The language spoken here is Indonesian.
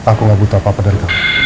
aku gak butuh apa apa dari kamu